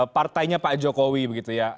partainya pak jokowi begitu ya